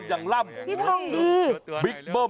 พี่ทองดี